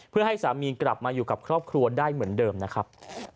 เพื่อให้สามีกลับมาอยู่กับครอบครัวได้เหมือนเดิมนะครับ